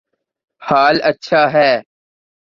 حال اچھا ہے